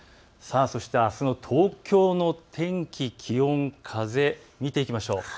そしてあすの東京の天気、気温、風、見ていきましょう。